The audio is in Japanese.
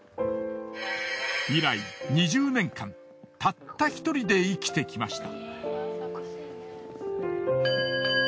以来２０年間たった一人で生きてきました。